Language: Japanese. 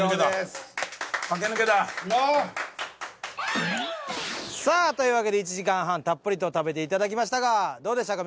すごい！さあというわけで１時間半たっぷりと食べていただきましたがどうでしたか？